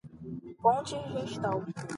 Pontes Gestal